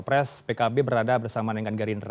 pada saat itu pkb berada bersama dengan garinder